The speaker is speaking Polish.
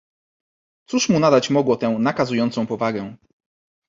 "Cóż mu nadać mogło tę nakazującą powagę?"